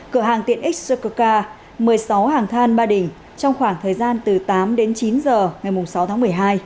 cửa hàng tiện xck một mươi sáu hàng than ba đình trong khoảng thời gian từ tám đến chín h ngày sáu tháng một mươi hai